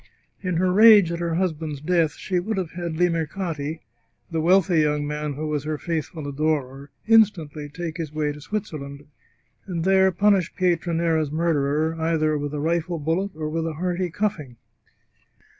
In her rage at her husband's death she would have had Limercati, the wealthy young man who 20 The Chartreuse of Parma was her faithful adorer, instantly take his way to Switzer land, and there punish Pietranera's murderer either with a rifle bullet or with a hearty cuffing.